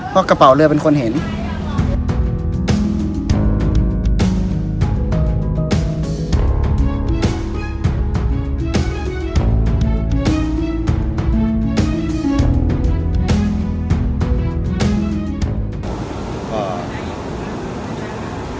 เพราะกระเป๋าเรือเป็นคนเห็น